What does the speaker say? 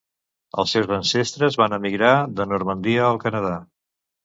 Els seus ancestres van emigrar de Normandia al Canadà.